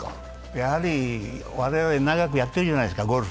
やはり我々長くやってるじゃないですか、ゴルフ。